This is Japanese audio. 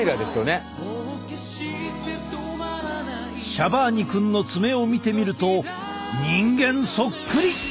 シャバーニ君の爪を見てみると人間そっくり！